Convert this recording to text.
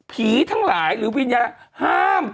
ทั้งหลายหรือวิญญาณห้าม